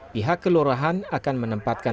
pihak kelurahan akan menempatkan